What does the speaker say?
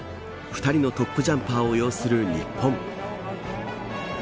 ２人のトップジャンパーを擁する日本。